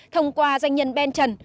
thông qua doanh nhân ben trần